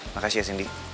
makasih ya cindy